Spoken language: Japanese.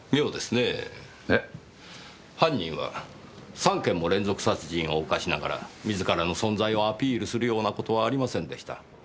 犯人は３件も連続殺人を犯しながら自らの存在をアピールするような事はありませんでした。